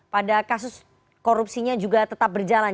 pada kasus korupsinya juga tetap berjalan